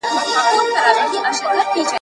یو مرغه و په ځنګله کي اوسېدلی